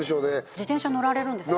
自転車乗られるんですか？